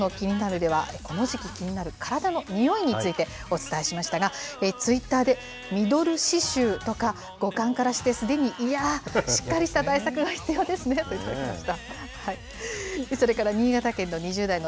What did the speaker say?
では、この時期気になる体のにおいについてお伝えしましたが、ツイッターで、ミドル脂臭とか語感からして、すでに、いや、しっかりした対策が必要ですねと頂きました。